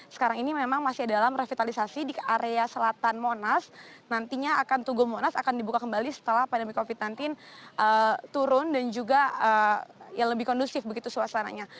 sekarang ini memang masih dalam revitalisasi di area selatan monas nantinya akan tugu monas akan dibuka kembali setelah pandemi covid sembilan belas turun dan juga lebih kondusif begitu suasananya